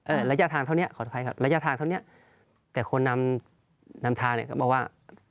ระยะทางเท่านี้ขออภัยครับระยะทางเท่านี้แต่คนนำนำทางเนี้ยก็มาว่า